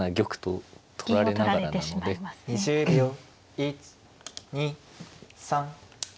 １２３。